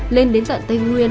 lên đến tận tây nguyên